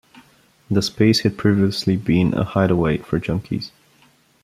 The space had previously been a hideaway for junkies.